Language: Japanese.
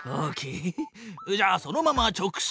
じゃあそのまま直進！